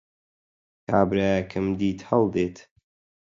کابرایەکم دیت هەڵدێت